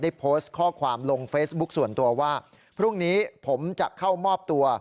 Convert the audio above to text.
โพสต์ข้อความลงเฟซบุ๊คส่วนตัวว่าพรุ่งนี้ผมจะเข้ามอบตัว